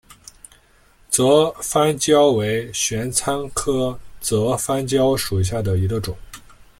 泽番椒为玄参科泽番椒属下的一个种。